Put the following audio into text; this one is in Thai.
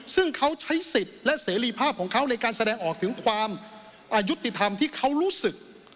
ซึ่งเขาใช้สิทธิ์และเสรีภาพของเขาในการแสดงออกถึงความอายุติธรรมที่เขารู้สึก